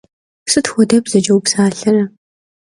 Sıt xuede bzeç'e vupsalhere?